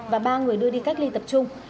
và ba người đưa đi cách ly tập trung